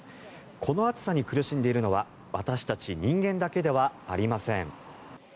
この暑さに苦しんでいるのは私たち人間だけではありません。